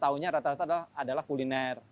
tahunya rata rata adalah kuliner